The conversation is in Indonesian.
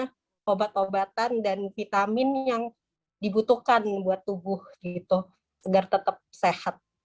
tentunya obat obatan dan vitamin yang dibutuhkan buat tubuh sehingga tetap sehat